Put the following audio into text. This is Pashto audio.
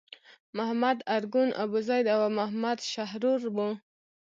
محمد ارګون، ابوزید او محمد شحرور وو.